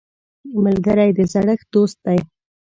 ملګری د زړه دوست دی